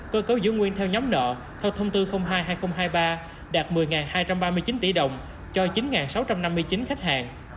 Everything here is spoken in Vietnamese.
cơ cấu giữ nguyên theo nhóm nợ theo thông tư hai hai nghìn hai mươi ba đạt một mươi hai trăm ba mươi chín tỷ đồng cho chín sáu trăm năm mươi chín khách hàng